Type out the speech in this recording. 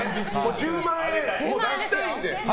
１０万円出したいので。